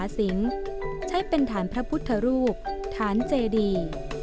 สิงศ์ใช้เป็นฐานพระพุทธรูปฐานเจดี